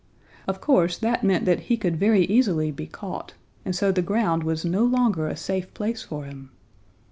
Of course that meant that he could very easily be caught, and so the ground was no longer a safe place for him.